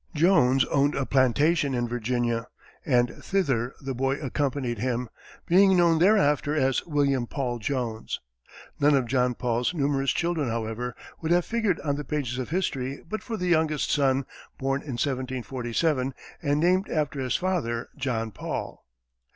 Jones owned a plantation in Virginia, and thither the boy accompanied him, being known thereafter as William Paul Jones. None of John Paul's numerous children, however, would have figured on the pages of history but for the youngest son, born in 1747, and named after his father, John Paul.